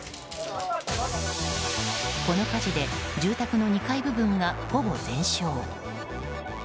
この火事で住宅の２階部分がほぼ全焼。